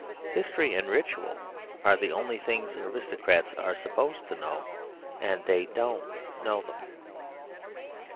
History and ritual are the only things aristocrats are supposed to know; and they don't know them.